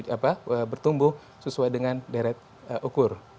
apa bertumbuh sesuai dengan deret ukur